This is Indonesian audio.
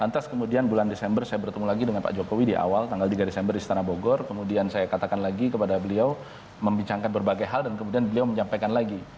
lantas kemudian bulan desember saya bertemu lagi dengan pak jokowi di awal tanggal tiga desember di istana bogor kemudian saya katakan lagi kepada beliau membincangkan berbagai hal dan kemudian beliau menyampaikan lagi